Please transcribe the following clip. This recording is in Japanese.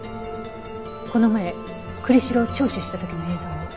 この前栗城を聴取した時の映像を。